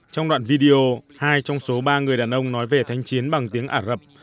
trong đoạn video hai trong số ba người đàn ông nói về thanh chiến bằng tiếng ả rập